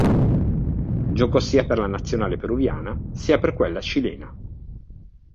Giocò sia per la nazionale peruviana sia per quella cilena.